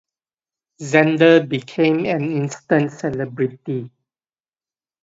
Zender became an instant celebrity.